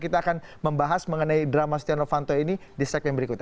kita akan membahas mengenai drama stiano fanto ini di segmen berikutnya